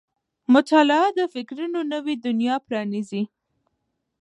• مطالعه د فکرونو نوې دنیا پرانیزي.